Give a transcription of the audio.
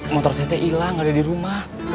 motor saya teh ilang gak ada dirumah